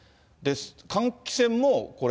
換気扇もこれ、